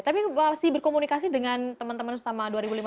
tapi masih berkomunikasi dengan teman teman selama dua ribu lima belas